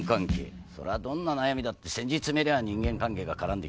どんな悩みだってせんじ詰めりゃ人間関係が絡んできます。